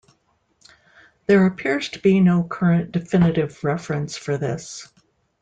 There appears to be no current definitive reference for this.